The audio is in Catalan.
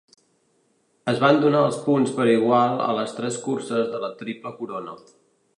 Es van donar els punts per igual a les tres curses de la Triple Corona.